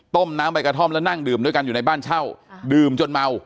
น้ำใบกระท่อมแล้วนั่งดื่มด้วยกันอยู่ในบ้านเช่าดื่มจนเมา